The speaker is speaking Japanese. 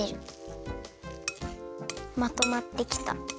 まとまってきた。